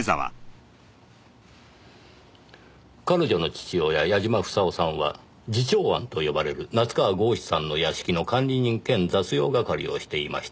彼女の父親矢嶋房夫さんは慈朝庵と呼ばれる夏河郷士さんの屋敷の管理人兼雑用係をしていました。